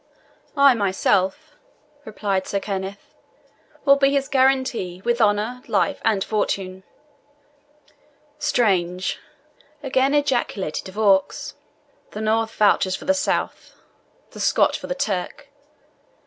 "I myself," replied Sir Kenneth, "will be his guarantee, with honour, life, and fortune." "Strange!" again ejaculated De Vaux; "the North vouches for the South the Scot for the Turk!